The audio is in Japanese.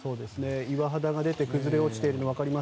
岩肌が出て崩れ落ちているのが分かります。